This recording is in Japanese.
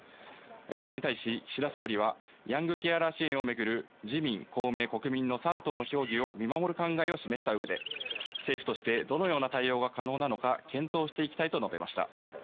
これに対し岸田総理はヤングケアラー支援をめぐる自民・公明・国民の３党の協議を見守る考えを示した上で、政府としてどのような対応が可能なのか検討していきたいと述べました。